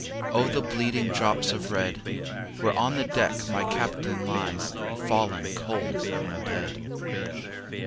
O the bleeding drops of red! Where on the deck my Captain lies, Fallen cold and dead.